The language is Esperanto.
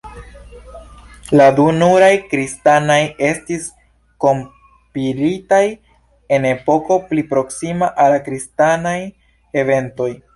La du nuraj kristanaj estis kompilitaj en epoko pli proksima al la kristanaj eventoj.